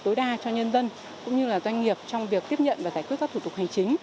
tối đa cho nhân dân cũng như doanh nghiệp trong việc tiếp nhận và giải quyết các thủ tục hành chính